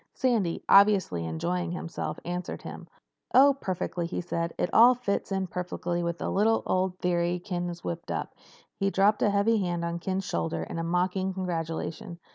Sandy, obviously enjoying himself, answered him. "Oh, perfectly," he said. "It all fits in perfectly with a little old theory Ken had whipped up." He dropped a heavy hand on Ken's shoulder in mock congratulation.